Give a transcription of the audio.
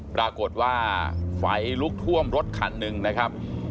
ปรากฏว่าไฟลุกท่วมรถคันหนึ่งนะครับ